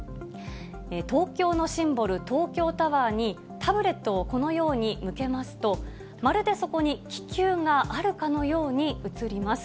東京のシンボル、東京タワーに、タブレットをこのように向けますと、まるでそこに気球があるかのように映ります。